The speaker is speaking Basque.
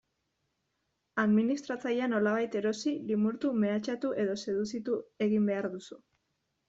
Administratzailea nolabait erosi, limurtu, mehatxatu edo seduzitu egin behar duzu.